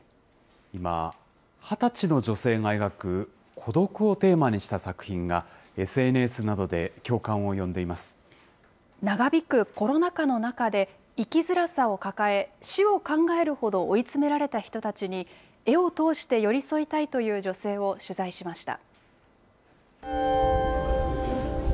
今、２０歳の女性が描く孤独をテーマにした作品が、長引くコロナ禍の中で、生きづらさを抱え、死を考えるほど追い詰められた人たちに、絵を通して寄り添いたいという女性を取材しました。